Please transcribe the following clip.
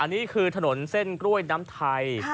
นี่คือถนนเส้นกล้วยน้ำไทย